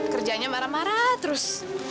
kerjanya marah marah terus